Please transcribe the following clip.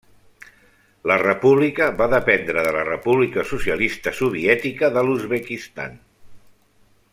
La república va dependre de la República Socialista Soviètica de l'Uzbekistan.